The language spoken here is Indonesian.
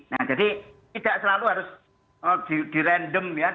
nah jadi tidak selalu harus di random ya